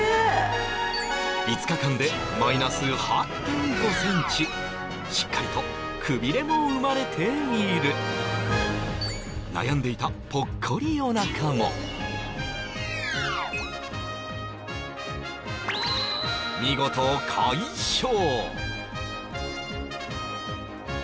５日間でしっかりとくびれも生まれている悩んでいたぽっこりおなかも見事解消